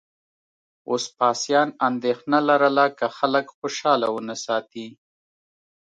وسپاسیان اندېښنه لرله که خلک خوشاله ونه ساتي